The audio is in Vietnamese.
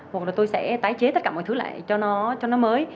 hoặc là tôi sẽ tái chế tất cả mọi thứ lại cho nó mới